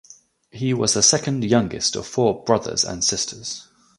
He was the second youngest of four brothers and sisters.